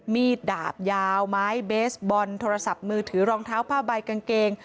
มีดดาบยาวไม้เบสบอลโทรศัพท์มือถือรองเท้าผ้าใบกางเกง